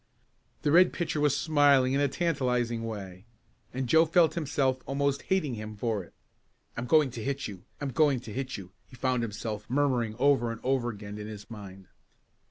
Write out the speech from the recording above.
The Red pitcher was smiling in a tantalizing way and Joe felt himself almost hating him for it. "I'm going to hit you! I'm going to hit you!" he found himself murmuring over and over again in his mind.